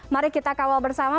mari kita kawal bersama